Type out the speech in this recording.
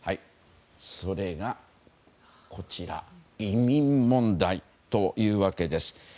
それが、こちら移民問題というわけです。